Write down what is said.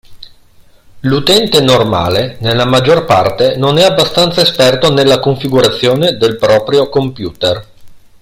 L'utente normale nella maggior parte non è abbastanza esperto nella configurazione del proprio computer.